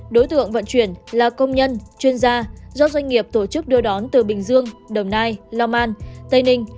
đối tượng vận chuyển là công nhân chuyên gia do doanh nghiệp tổ chức đưa đón từ bình dương đồng nai long an tây ninh